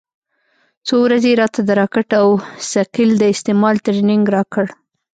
څو ورځې يې راته د راکټ او ثقيل د استعمال ټرېننگ راکړ.